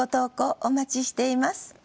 お待ちしています。